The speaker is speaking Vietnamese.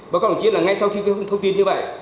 bác công chí là ngay sau khi thông tin như vậy